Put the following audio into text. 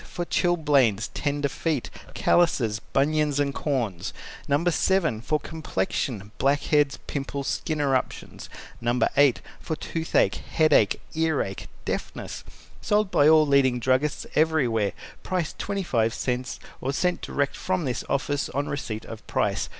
For Chilblains, tender feet, callouses, bunions, and corns. No. 7. For complexion, blackheads, pimples, skin eruptions. No. 8. For toothache, headache, earache, deafness. Sold by all leading druggists everywhere. Price 25 cents or sent direct from this office on receipt of price.